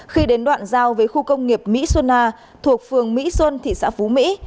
khi đến đoạn giao với khu công nghiệp mỹ xuân a thuộc phường mỹ xuân thị xã phú mỹ